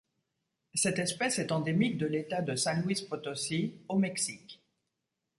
Cette espèce est endémique de l'État de San Luis Potosí au Mexique.